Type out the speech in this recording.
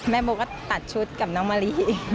โบก็ตัดชุดกับน้องมะลิ